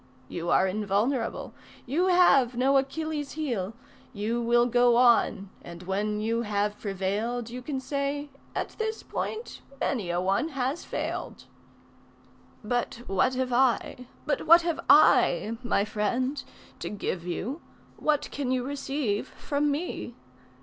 You are invulnerable, you have no Achilles' heel. You will go on, and when you have prevailed You can say: at this point many a one has failed. But what have I, but what have I, my friend, To give you, what can you receive from me?